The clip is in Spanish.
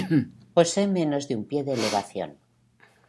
Posee menos de un pie de elevación.